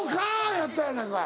やったやないかい。